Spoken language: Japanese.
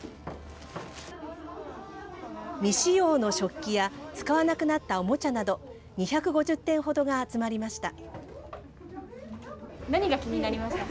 未使用の食器や、使わなくなったおもちゃなど、２５０点ほどが集まりました。